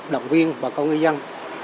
đồng viên và công nghiệp